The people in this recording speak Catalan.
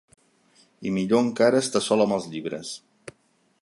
I millor encara estar sol amb els llibres.